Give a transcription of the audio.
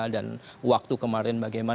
dan waktu kemarin bagaimana ya